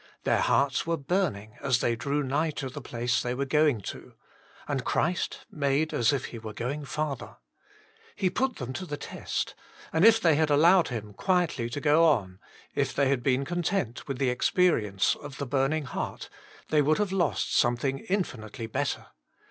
Their hearts were burning as they drew nigh to the place they were going to, and Christ made as if He were going farther. He put them to the test, and if they had allowed Him quietly to go on, if they had been content with the experience of the burn ing heart, they would have lost some thing infinitely better.